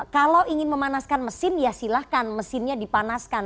kalau ingin memanaskan mesin ya silahkan mesinnya dipanaskan